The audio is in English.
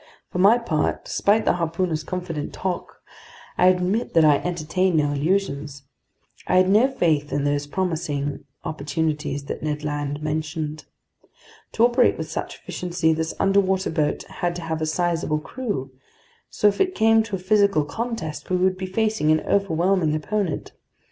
For my part, despite the harpooner's confident talk, I admit that I entertained no illusions. I had no faith in those promising opportunities that Ned Land mentioned. To operate with such efficiency, this underwater boat had to have a sizeable crew, so if it came to a physical contest, we would be facing an overwhelming opponent.